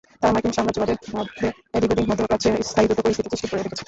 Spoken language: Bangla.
তারা মার্কিন সাম্রাজ্যবাদের মদদে দীর্ঘদিন মধ্যপ্রাচ্যে স্থায়ী যুদ্ধ পরিস্থিতি সৃষ্টি করে রেখেছে।